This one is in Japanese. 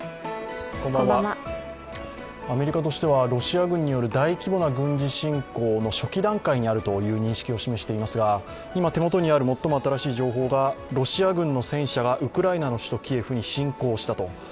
アメリカとしてはロシア軍による大規模な軍事侵攻の初期段階にあるという認識を示していますが今手元にある最も新しい情報が、ロシア軍の戦車がウクライナの首都キエフに侵攻したと。